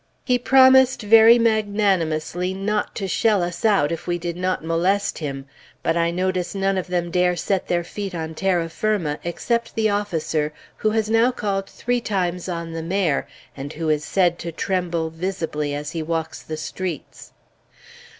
He promised very magnanimously not to shell us out if we did not molest him; but I notice none of them dare set their feet on terra firma, except the officer who has now called three times on the Mayor, and who is said to tremble visibly as he walks the streets.